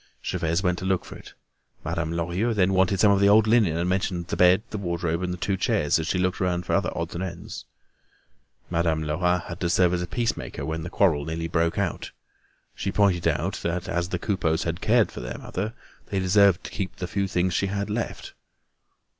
Gervaise went to look for it. Madame Lorilleux then wanted some of the old linen and mentioned the bed, the wardrobe, and the two chairs as she looked around for other odds and ends. Madame Lerat had to serve as peace maker when a quarrel nearly broke out. She pointed out that as the Coupeaus had cared for their mother, they deserved to keep the few things she had left.